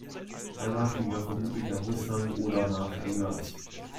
Danach ging er vermutlich nach Russland oder nach England.